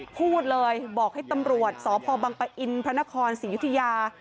พูดเลยบอกให้ตำรวจสพบังปะอินพระนครศรียุธยา